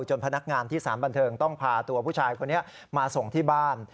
พนักงานที่สารบันเทิงต้องพาตัวผู้ชายคนนี้มาส่งที่บ้าน